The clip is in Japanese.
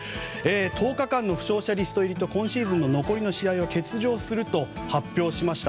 １０日間の負傷者リスト入りと今シーズンの残りの試合を欠場すると発表しました。